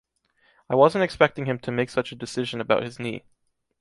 I wasn't expecting him to make such a decision about his knee.